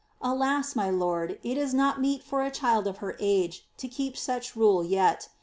Alas, my lord, it is not meet for a child of her age :o kfep such rule yet.